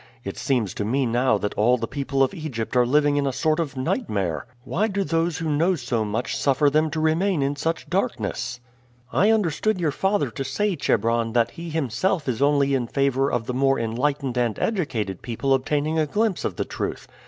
It seems to me now that all the people of Egypt are living in a sort of nightmare. Why do those who know so much suffer them to remain in such darkness?" "I understood your father to say, Chebron, that he himself is only in favor of the more enlightened and educated people obtaining a glimpse of the truth.